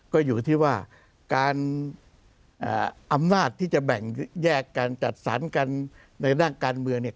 ก็อยู่ที่ว่าการอำนาจที่จะแบ่งแยกการจัดสรรกันในด้านการเมืองเนี่ย